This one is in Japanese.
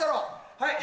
はい！